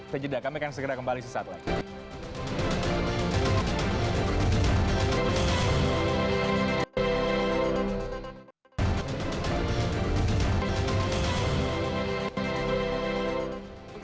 sejeda kami akan segera kembali sesaat lagi